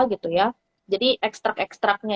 gitu ya jadi ekstrak ekstraknya